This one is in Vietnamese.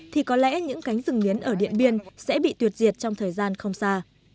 thì có lẽ những cánh rừng nghiến ở điện biên sẽ bị tuyệt diệt trong thời gian không xa